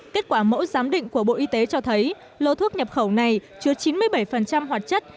kết quả mẫu giám định của bộ y tế cho thấy lô thuốc nhập khẩu này chứa chín mươi bảy hoạt chất